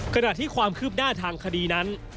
ขณะที่ความคืบหน้าทางคดีนั้น